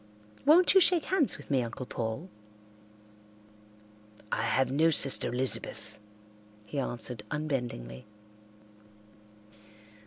"Won't you shake hands with me, Uncle Paul?" "I have no sister Elizabeth," he answered unbendingly.